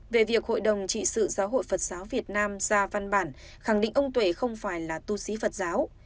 về việc hội đồng trị sự giáo hội phật giáo việt nam ra văn bản khẳng định ông tuệ không phải là tu sĩ phật giáo